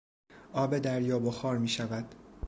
آب دریا بخار میشود.